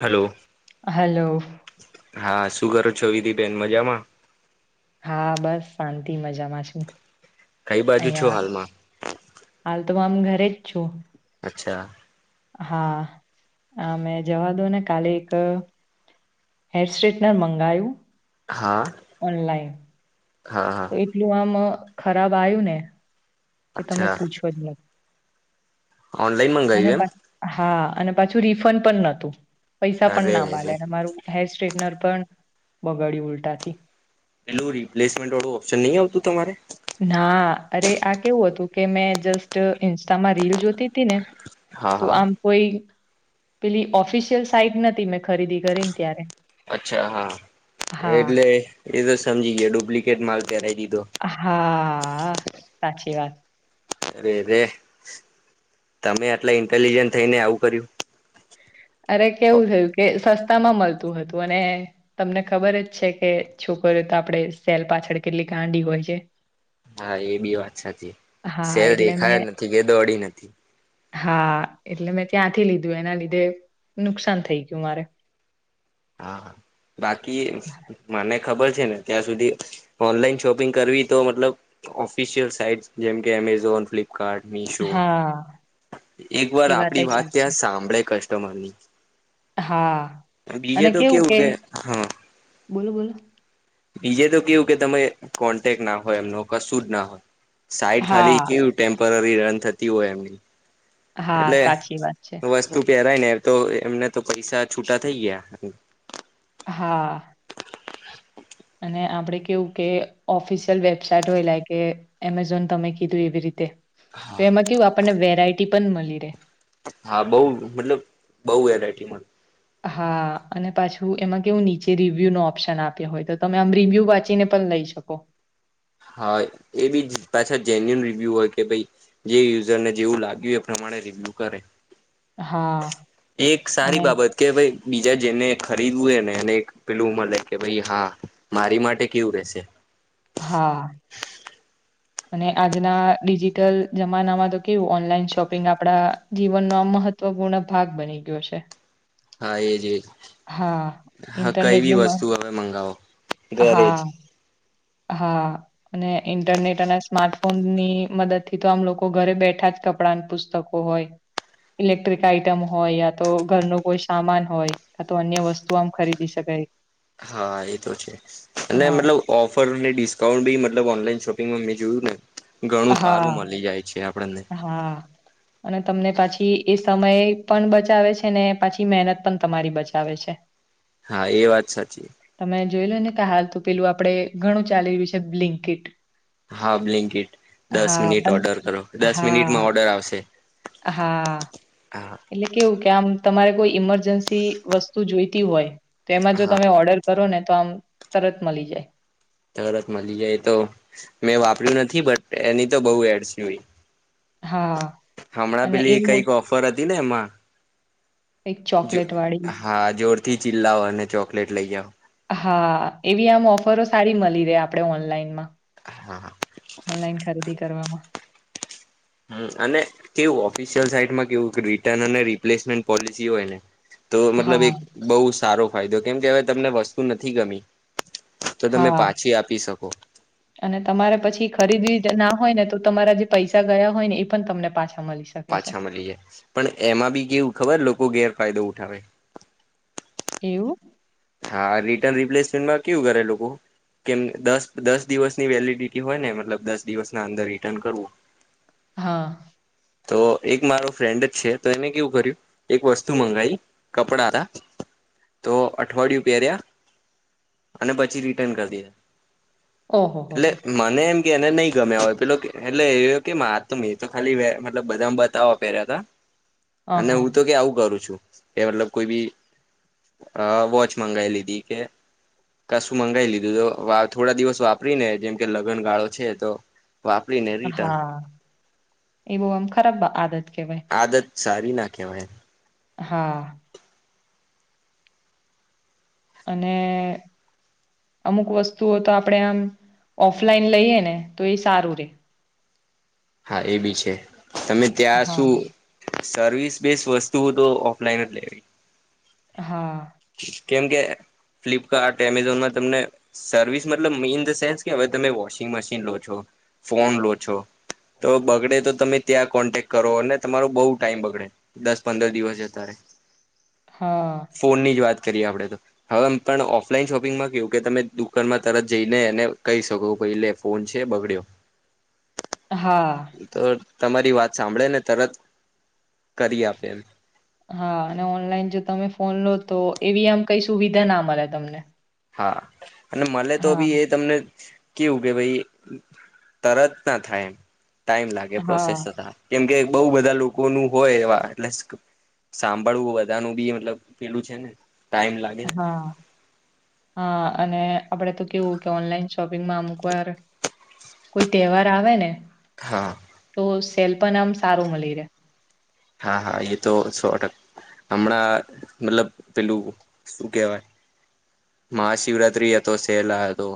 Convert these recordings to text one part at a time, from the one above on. Hello. Hello. હા, શું ઘરો છો, વીદી બેન? મજામાં? હા, બસ શાંતિ. મજામાં છું. કંઈ બાજુ છો અહીંયા હાલમાં? હાલ તો આમ ઘરે જ છો. અચ્છા. હા, મેં જવા દો ને. કાલે એક હેર સ્ટ્રેટનર મંગાયું. હા ઓનલાઇન હા હા તો એટલું આમ ખરાબ આવ્યું ને, કે તમે અચ્છા પૂછો ઓનલાઈન અને મંગાવ્યું પ એમ હા. [unintelligible] અને પાછું રિફંડ પણ નહોતું. પૈસા પણ અરે ના માલે, અરે અને મારું હેર સ્ટ્રેટનર પણ બગાડી ઉલટાથી. પેલું રિપ્લેસમેન્ટ વાળું ઓપ્શન નહીં આવતું તમારે? ના, અરે આ કેવું હતું કે મેં જસ્ટ ઇન્સ્ટામાં રીલ જોતી હતી ને? હા તો હા આમ કોઈ પેલી ઓફિશિયલ સાઈટ નથી. મેં ખરીદી કરીને ત્યારે અચ્છા, હા. હા, એટલે એ તો સમજી ગયો, ડુપ્લિકેટ માલ. પહેરાવી દીધો હા, સાચી વાત. અરે રે, તમે આટલા ઇન્ટેલિજન્ટ થઈને આવું કર્યું? અરે, કેવું થયું કે સસ્તુ? મળતું હતું અને તમને ખબર જ છે કે છોકરી તો આપણે સેલ પાછળ કેટલી ગાંડી હોય છે. હા એ બી વાત સાચી હા, શેર એટલે દેખાય મેં નથી કે દોઅડી નથી હા એટલે મેં ત્યાંથી લીધું એના લીધે નુકસાન થઈ ગયું મારે હા બાકી મને ખબર છેને ત્યાં સુી ઓનલાન શોપિંગ કરવી તો મતલબ ઓફિશયલ સાઈટસ જેમકે એમેઝોન, ફ્લિપકાર્ટ, મીશો હા, એક વાર એ વાતય આપડી વાત સાચી. ક્યાં સાંભળે કસ્ટમરની હા. અને તો કેવું કે ક હા બોલો બોલો બીજે તો કેવું કે તમે કોન્ટેક ના હોય એમનું કશું જ ના હોય સાઈડ ખાલી હા, કેવું ટેમ્પરરી રન થતી હોય એમની હા, એટલે સાચી વાત છે. વસ્તુ પહેરાય ને તો એમને તો પૈસા છૂટા થઈ ગયા હા [inaudible] અને આપડે કેવું કે ઓફિશિયલ વેબસાઈટ હોય એ લ કે એમેઝોન તમે કીધું એવી રીતે તો એમાં કેવું આપણને વેરાયટી પણ મળી રહેે. હા બઉ મતલબ બઉ વેરાયટી મળે હા અને પાછું એમાં કેવું નીચે રિવ્યુ નો ઓપ્શન આપ્યો હોય તો તમે આમ રિવ્યુ વાંચીને પણ લઈ શકો હ [unintelligible] હા એ બી પાછા જેન્યુન રિવ્યુ હોય કે ભાઈ જે યુઝરને જેવું લાગ્યું પ્રમાણે મળે રિવ્યૂ કરરે હા એક સારી અને બાબત કે ભાઈ બીજા જેને ખરીદવું એ ને એને પેલું મળે કે ભાઈ હા મારી માટે કેવું રેશે હા અને આજના ડિજિટલ જમાનામાં તો કેવું ઓનલાઈન શોપિંગ આપણા જીવનનો મહવ મહત્વપૂર્ણ ભાગ બની ગયો છે. હા એજ એજ હા હા કઈ ઇન્ટરનેટની બી મ વસ્તુ હવે મંગાવો ઘરે જ હા હા અને ઇન્ટરનેટ અને સ્માર્ટફોન ની મદદ થી તો આમ લોકો ઘરે બેઠા છે કપડા પુસ્તકો હોય ઇલેક્ટ્રિક આઈટમ હોય યા તો ઘર ન કોઈ સામાન હોય તો અન્ય વસ્તુ આમ ખરીદી શકે કાય [unintelligible] હા એ તો છે અને મતલબ ઓફ રને ડિસ્કાઉન્ટ બી મતલબ ઓનલાઈન શોપિંગમાં મેં જોયું ને ઘણું સારું હા મળી જાય છે. આપણને હા અને તમને પાછી પછી એ સમય પણ બચાવે છે ને પાછી મહેનત પણ તમારી બચાવે છે હા એ વાત સાચી. તમે જોઈ લો ને કા હાલ તોું પેલું આપડે ઘણું ચાલી રહ્યું છે બિંલીકેટ હા બ્લિન્કીટ દસ મિનિટ પણ ઓર્ડર કરો દસ હા મિનિટમાં ઓર્ડર આવશે. હા હા એટલે કેવું ક્યા તમારે કોઈ ઈમરજન્સી વસ્તુ જોઈતી હોય તો એમાં જો હા તમે ઓર્ડર કરો ને કમ તરત મળી જાય. તરત મળી જાય તો મેં વાપર્યું નથી બટ એની તો બહુ એડસજોય હા. હમણાં અને એ પેલી કઈક મોસ્ટ ઓફર હતી ને એમાં એક ચોકલેટ વાળી હા જોરથી ચીલાઓ અને ચોકલેટ લઈ જાઓ. હા એવી આમ ઓફરો સારી મળી રહે આપણે ઓનલાઈનમાં હા ઓનલાઈન ખરીદી કરવામાં હમ્મ અને કેવું ઓફિશિયલ સાઈટમાં કેવું રિટર્ન અને રિપ્લેસમેન્ટ પોલિસી હોય ને તો મતલબ હા, એક બહુ સારો ફાયદો કેમ કે હવે તમને વસ્તુ નથી ગમી તો તમે હા પાછી આપી શકો અને તમારે પછી ખરીદવી જ ના હોયને તો તમારા જે પૈસા ગયા હોયને એ પણ તમને પાછા મળી શકે છે. પાછા મળી જાય. પણ એમાં બી કેવું ખબર? લોકો ગેરફાયદો ઉઠાવે. એવું? હા.. રિટર્ન રિપ્લેસમેન્ટમાં કેવું કરે લોકો? કેમ દસ-દસ દિવસની વેલિડિટી હોયને મતલબ દસ દિવસના અંદર રિટર્ન કરવું હા. તો એક મારો ફ્રેન્ડ જ છે તો એને કેવું કર્યું એક વસ્તુ મંગાવી કપડા હતા. તો અઠવાડિયું પહેર્યા અને પછી રિટર્ન કરી દીધા. એટલે ઓહોહોહો! મને એમ એને નહી ગમ્યા હોય પેલો એટલે એ કહે કે મારે તો મેં તો ખાલી બધા બતાવવા પહેર્યા હતા અને હું અહં. તો કહે આવું કરું છું. કે મતલબ કોઈ ભી અ વોચ મંગાવી લીધી કે કશું મંગાવી લીધું તો થોડા દિવસ વાપરીને જેમ કે લગ્નગાળો છે તો વાપરીને રિટર્ન હા એ બહુ આમ્ ખરાબ આદત કહેવાય. આદત સારી ના કહેવાય. હા. અને અમુક વસ્તુઓ તો આપણે આમ ઓફલાઈન લઈએ ને તો એ સારું રહે. હા એબી છે. તમે ત્યાં હા, શું સર્વિસ બેઇઝ વસ્તુઓ તો ઓફલાઈન જ લેવી. હા. કેમ કે ફ્લિપકાર્ટ, એમેઝોનમાં તમને સર્વિસ મતલબ ઇન ધ સેન્સ કે હવે તમે વોશિંગ મશીન લો છો. ફોન લો છો. તો બગડે તો તમે ત્યાં કોન્ટેક કરો? અને તમારો બહુ ટાઈમ બગડે દસ-પંદર દિવસ જતાં રહે. [inaudible] હા. વાત કરીએ આપણે તો. હવે ઓફલાઈન શોપિંગમાં કેવુ કે તમે દુકાનમાં તરત જઈને એને કહી શક બહુ પહલે ફોન છે. બગડ્યો હા. તમારી વાત સાંભળેને, તરત કરી આપે એમ. હા, અને ઓનલાઈન જો તમે ફોન લો તો, એવી આમ કંઈ સુવિધા ના મળે તમને. હા. અને મળે તો હા. બી એ તમને કેવું કે ભાઈ તરત ના થાય એમ. ટાઈમ લાગે પ્રોસેસ હા, થતા કેમ કે બહુ બધા લોકોનું હોય, એવા [unintelligible] સાંભળવું બધાનું બી મતલબ પેલું છેને. ટાઈમ લાગેને હા, હા, અને આપણે તો કેવું કે ઓનલાઈન શોપિંગમાં અમુકવાર કોઈ તહેવાર આવેને હા તો સેલ પણ આમ સારું મળી રહે. હા હા એ તો સો ટકા. હમણાં મતલબ પેલું શું કેહેવાય? મહાશિવરાત્રીએ હતો સેલ આ હતો.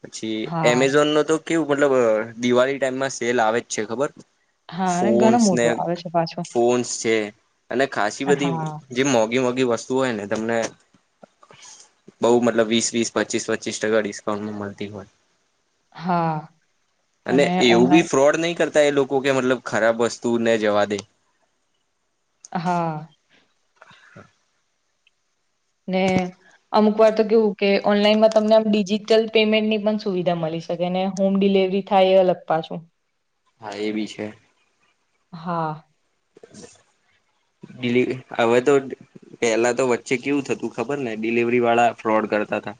પછી હા. એમેઝોનનો તો કેવું મતલબ અ દિવાળી ટાઈમમાં સેલ આવે જ છે ખબર? હા અને ઘણો ફોનસ્ અને મોટો આવે છે પાછો. ફોનસ્ છે. અને ખાસ્સી બધી હા. જે મોઘી મોઘી વસ્તુ હોયને. તમને બહુ મતલબ વીસ-વીસ, પચ્ચીસ-પચ્ચીસ ટકા ડિસ્કાઉન્ટમાં મળતી હોય. હા. અને એવું બી ફ્રોડ નહી કર તા એ લોકો, કે મતલબ ખરાબ વસ્તુ ને જવા દે. હા. [inaudible] ને અમુક વાર તો કેવું કે ઓનલાઈનમાં તમને આમ ડિજિટલ પેમેન્ટની પણ સુવિધા મલી શકે. ને હોમ ડિલ લેવલી થાય એ અલગ પાછું. હા, એબી છે. હા. [inaudible] દિલી હવે તો પેલા તો વચ્ચે કેવું થતું ખબર ને ડિલવરી વાળા ફ્રોડ કરતા હતા.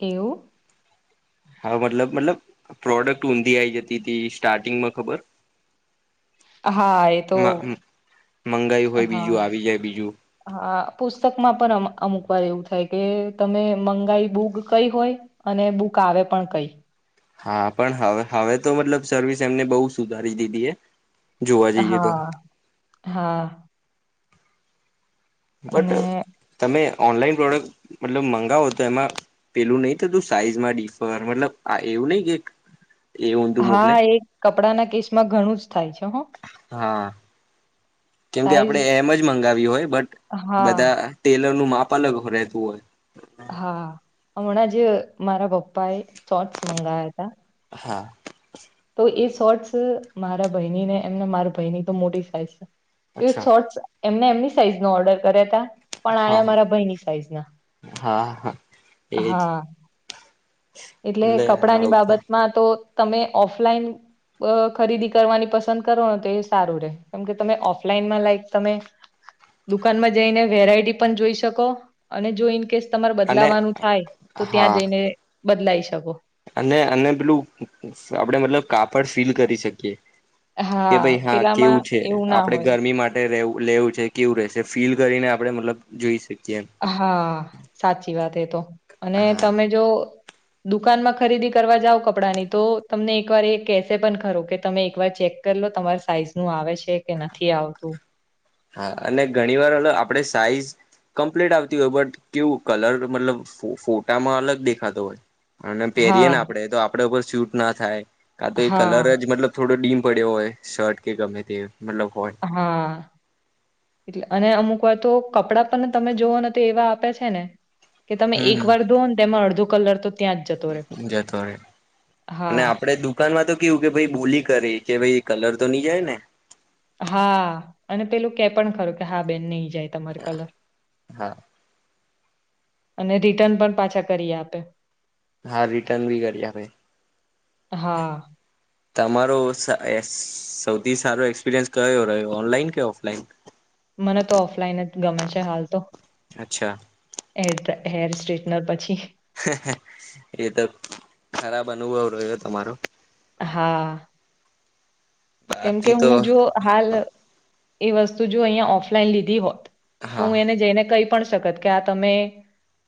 એવું? હા, મતલબ મતલબ પ્રોડક્ટ ઊંધી આઈ જતી હતી. સ્ટાર્ટિંગમાં ખબર? હા, એ તો મંગાયું હોય હા બીજું આવી જાય બીજું હા પુસ્તકમાં પણ અમ અમુક વાર એવું થાય કે, તમે મંગાઈ બુક કઈ હોય. અને બુક આવે પણ કઈ. હા, પણ હવે હવે તો મતલબ સર્વિસ એમને બહુ સુધારી દીધી એ. જોવા જઈએ તો હા. હા. બટ અને તમે ઓનલાઈન પ્રોડક્ટ મતલબ મંગાવો તો એમાં પેલું નહિ થતું સાઈઝમાં ડિફર. મતલબ આ એવું નહિ કે એ ઊંધું મોકલે હા, એ કપડા ના કેસ માં ઘણું જ થાય છે હો હા. કેમકે સાઈઝ આપણેે એમ જ મંગાવી હોય. બટ હા બધા ટેલર નું માપ અલગ હો રહેતું હોય. હા, હમણાં જ મારા પપ્પા એ શોર્ટસ મંગાયા હતા. હોય હા. તો એ શોર્ટસ મારા ભઈનીને એમને મારા ભઈની તો મોટી સાઈઝ છે. એ અચ્છા શોર્ટસ એમને એમની સાઈઝ નો ઓર્ડર કર્યા હતા. પણ હા આયા હા મારા ભાઈની સાઈઝ ના. હા હા એજ હા. એટલે કપડા ની આવું થાય બાબતમાં તો તમે ઓફલાઈન અ ખરીદી કરવાની પસંદ કરો ને તો એ સારું રે. કેમ કે તમે ઓફલાઈનમાં લાઈક તમે દુકાનમાં જઈને વેરાયટી પણ જોઈ શકો અને જો ઇન કેસ તમારે અને બદલાવાનું થાય. તો ત્યાં હા જઈને બદલાઈ શ અને અને પેલું આપડે મતલબ કાપડ ફીલ કરી શકીએ. કે ભાઈ હા પેલામાં કેવું છે? એવું ના આપડે હોય ગરમી માટે રેવ લેવું છે કેવું રહેશે. ફીલ કરીને આપડે મતલબ જોઈ શક હા, સાચી વાત એ તો. અને હા તમે જો દુકાનમાં ખરીદી કરવા જાવ કપડાં ની. તો તમને એક વાર એ કસે પણ ખરો, કે તમે એકવાર ચેક કરી લો તમારી સાઈઝ નું આવે છે કે નથી આવતું. હા, અને ઘણી વાર હલ આપડે સાઈઝ કમ્પ્લેટ આવતી હોય. બટ કેવું કલર મતલબ ફો ફોટામાં અલગ દેખાતો હોય. અને પહેરીયે હા ને આપડે તો આપડે ઉપર સુટ ના થાય. કા તો એ કલર હા, જ મતલબ થોડો ડીમ પડ્યો હોય. શર્ટ કે ગમે તે. મતલબ હોય હા. એટલે અને અમુક વાર તો કપડા પણ તમે જોવોને તો એવા આપે છેને કે તમે એક હમ વાર ધો ને તેમાં અડધો કલર તો ત્યાં જ જતો રહે. જતો રે. અને હા, આપડે દુકાનમાં તો કેવું કે ભાઈ બોલી કરી, કે ભાઈ કલર તો નહી જાયને? હા, અને પેલું કે પણ ખરું કે હા બેન નય જાય તમારે કલર. હા અને રિટર્ન પણ પાછા કરીએ આપે. હા રિટર્ન ભી કરી્ આપે. હા, તમારો સા એસ સૌથી સારો એક્સપિરિયન્સ કયો રહ્યો ઓનલાઈન કે ઓફલાઈન? મને તો ઓફલાઈન જ ગમે છે. હાલ તો અચ્છા હે હેર સ્ટ્રેટનર પછી એ તો ખરાબ અનુભવ રહ્યો તમારો હા કેમ કે બાકી હું તો જો હાલ એ વસ્તુ જો અહીંયા ઓફલાઈન લીધી હોત. તો હા હું એને જઈને કહી પણ શકત કે આ તમે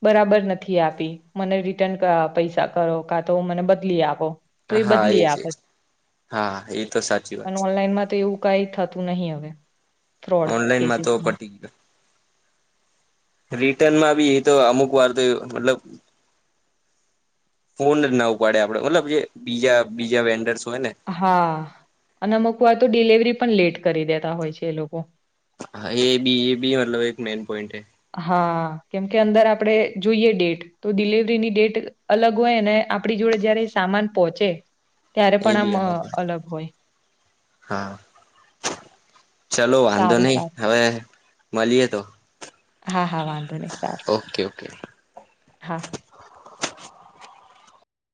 બરાબર નથી આપી. મને રિટર્ન કા પૈસા કરો કા તો મને બદલી આપો. તો હા એ બદલી છે, આપત હા એ તો સાચ પણ ઓનલાઈનમાં તો એવું કઈ થતું નહી હવે. ફ્રોડ ઓનલાઈનમાં તો કેસિસમાં. પટી બ્રિટનમાં બી એ તો અમુક વાર તો મતલબ ફોન જ ના ઉપાડે. આપડે મતલબ જે બીજા બીજા વેન્ડરસ હા, અને અમુક વાર તો ડિલવરી પણ લેટ કરી દેતા હોય છે એ લોકો. હા, એબી એબી, મતલબ એક મેન પોઈન્ટ હ. હા, કેમ કે અંદર આપણેે જોઈએ ડેટ. તો ડિલવરીની ડેટ અલગ હોય ને આપણી જોડે જયારે સામાન પહોંચે ત્યારે એ પણ આમ બી હોય અલગ હોય હા ચલો વાંધો સારું નઈ સારું હવે મળીએે તો હા હા વાંધો નહી સારું ઓકે ઓકે હા